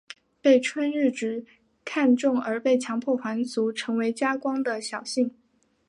被春日局看中而被强迫还俗成为家光的小姓。